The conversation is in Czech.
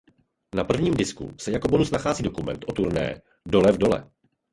Na prvním disku se jako bonus nachází dokument o turné Dole v dole.